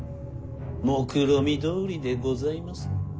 もくろみどおりでございます。